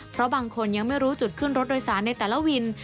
เพราะบางคนยังไม่รู้จุดขึ้นรถโดยสารในแต่ละวิน